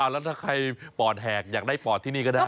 แล้วถ้าใครปอดแหกอยากได้ปอดที่นี่ก็ได้